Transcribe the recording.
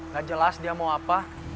gak jelas dia mau apa